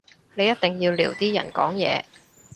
你一定要撩啲人講嘢